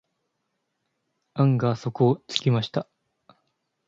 案が底をつきました。